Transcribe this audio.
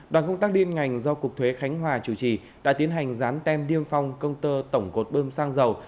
đoàn công tác điên ngành do cục thuế khánh hòa chủ trì đã tiến hành rán tem điên phong công tơ tổng cột bơm xăng dầu